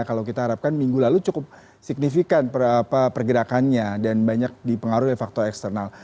kalau kita harapkan minggu lalu cukup signifikan pergerakannya dan banyak dipengaruhi faktor eksternal